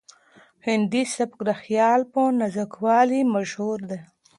هندي سبک د خیال په نازکوالي مشهور دی.